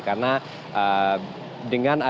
karena dengan adanya